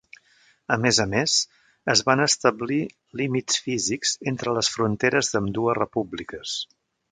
A més a més, es van establir límits físics entre les fronteres d'ambdues repúbliques.